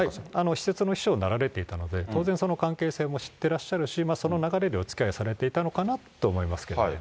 私設の秘書になられていたので、当然その関係者も知ってらっしゃるし、その流れでおつきあいをされてたのかなと思いますけど。